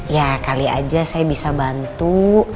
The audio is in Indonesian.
ya kali aja saya bisa bantu